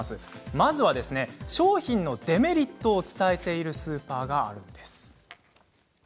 まずは、商品のデメリットを伝えているスーパーがあるんです。